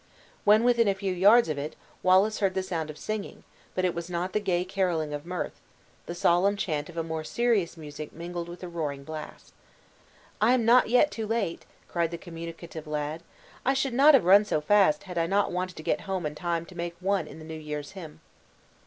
When within a few yards of it, Wallace heard the sound of singing, but it was not the gay caroling of mirth; the solemn chant of more serious music mingled with the roaring blast. "I am not too late yet!" cried the communicative lad; "I should not have run so fast had I not wanted to get home in time enough to make one in the New year's hymn."